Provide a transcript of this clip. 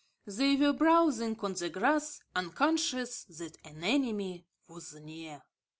They were browsing on the grass, unconscious that an enemy was near.